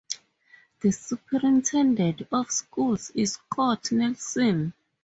The superintendent of schools is Scott Nelson.